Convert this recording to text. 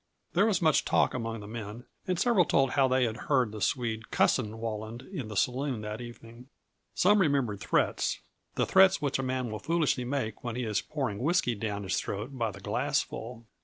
There was much talk among the men, and several told how they had heard the Swede "cussing" Walland in the saloon that evening. Some remembered threats the threats which a man will foolishly make when he is pouring whisky down his throat by the glassful.